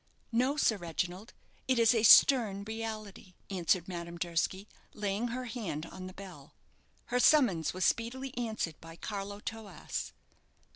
"No, Sir Reginald, it is a stern reality," answered Madame Durski, laying her hand on the bell. Her summons was speedily answered by Carlo Toas.